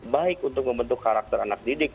baik untuk membentuk karakter anak didik